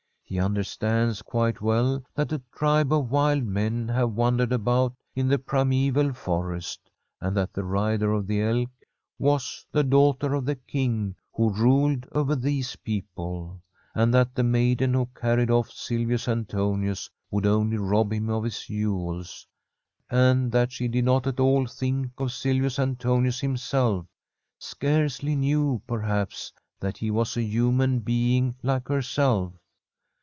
He understands quite well that a tribe of wild men have wandered about in the primeval forest, and that the rider of the elk was the daughter of the King who ruled over these people; and that the maiden who carried off Silvius Antonius would only rob him of his jewels, and that she did not at all think of Silvius Antonius himself, scarcely knew, perhaps, that he was a human being like herself.